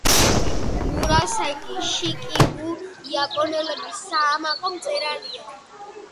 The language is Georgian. მურასაკი შიკიბუ იაპონელების საამაყო მწერალია.